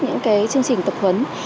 những cái chương trình tập huấn